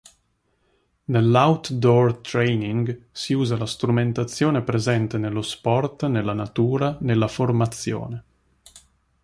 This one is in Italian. Nell'"outdoor training" si usa la strumentazione presente nello sport, nella natura, nella formazione.